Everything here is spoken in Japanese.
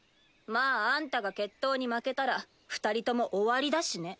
まああんたが決闘に負けたら二人とも終わりだしね。